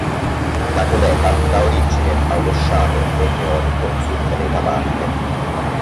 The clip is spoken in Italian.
La cometa dà origine a uno sciame meteorico sul pianeta Marte.